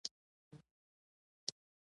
موږ دواړو سګرټ ولګاوه او خبرې مو پیل کړې.